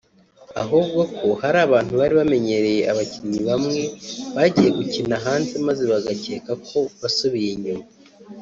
ahubwo ko hari abantu bari bamenyereye abakinnyi bamwe bagiye gukina hanze maze bagakeka ko wasubiye inyuma